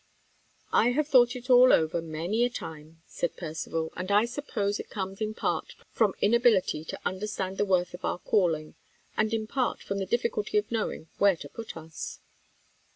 "I have thought it all over many a time," said Percivale; "and I suppose it comes in part from inability to understand the worth of our calling, and in part from the difficulty of knowing where to put us."